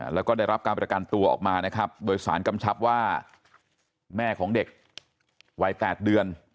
แล้วก็ได้รับการประกันตัวออกมานะครับโดยสารกำชับว่าแม่ของเด็กวัย๘เดือน